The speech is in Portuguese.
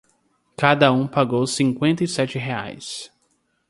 Cada um pagou cinquenta e sete reais.